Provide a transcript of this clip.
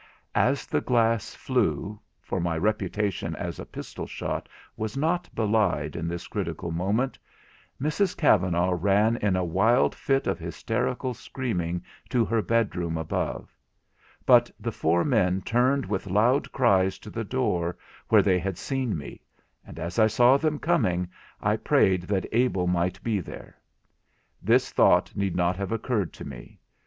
As the glass flew, for my reputation as a pistol shot was not belied in this critical moment, Mrs Kavanagh ran in a wild fit of hysterical screaming to her bedroom above—but the four men turned with loud cries to the door where they had seen me; and as I saw them coming, I prayed that Abel might be there. This thought need not have occurred to me.